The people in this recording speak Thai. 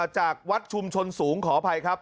จากวัดชุมชนสูงขออภัยครับ